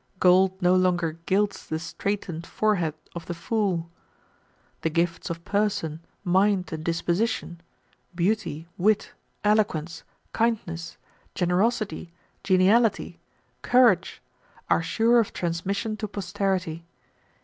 Gold no longer 'gilds the straitened forehead of the fool.' The gifts of person, mind, and disposition; beauty, wit, eloquence, kindness, generosity, geniality, courage, are sure of transmission to posterity.